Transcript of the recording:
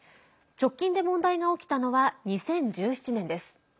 直近で問題が起きたのは２０１７年です。